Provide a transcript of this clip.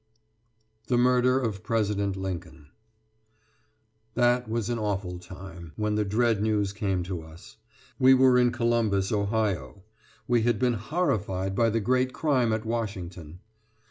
THE MURDER OF PRESIDENT LINCOLN That was an awful time, when the dread news came to us. We were in Columbus, Ohio. We had been horrified by the great crime at Washington.